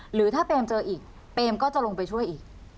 หรือถ้าเปมเจออีกเปมก็จะลงไปช่วยอีก